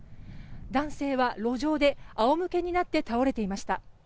男性は路上で仰向けになって倒れていました。